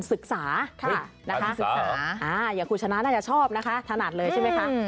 ศึกษาอย่างศึกษาอ่ะครูชะน้าน่าจะชอบนะคะถนัดเลยใช่ไหมคะ